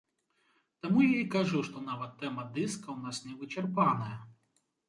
Таму я і кажу, што нават тэма дыска ў нас не вычарпаная.